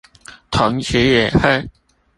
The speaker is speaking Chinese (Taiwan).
同時也會